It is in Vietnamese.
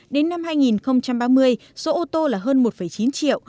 đến năm hai nghìn ba mươi số ô tô là hơn một chín triệu